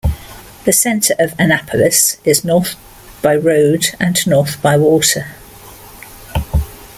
The center of Annapolis is north by road and north by water.